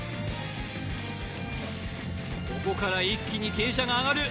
ここから一気に傾斜が上がる